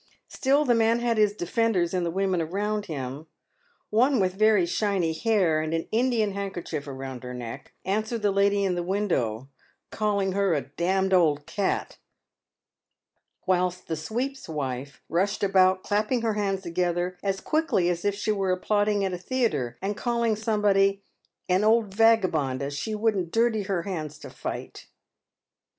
Still the man had his defenders in the women around him. One with very shiny hair, and an Indian handkerchief round her neck, answered the lady in the window, calling her "a d — d old cat," whilst the sweep's wife rushed about, clapping her hands together as quickly as if she were applaud ing at a theatre, and calling somebody "an old vagabond as she wouldn't dirty her hands to fight."